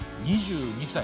２２歳！